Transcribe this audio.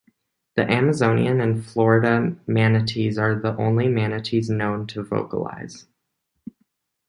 The Amazonian and Florida manatees are the only manatees known to vocalize.